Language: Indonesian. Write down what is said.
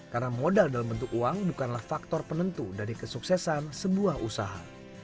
karena modal dalam bentuk uang bukanlah faktor penentu dari kesuksesan sebuah usaha